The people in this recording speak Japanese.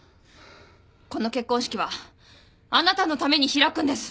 この結婚式はあなたのために開くんです。